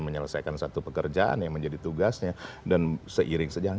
menyelesaikan satu pekerjaan yang menjadi tugasnya dan seiring sejalan